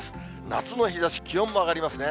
夏の日ざし、気温も上がりますね。